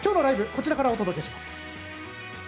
こちらからお届けします。